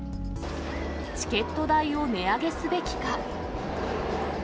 チケット代を値上げすべきか。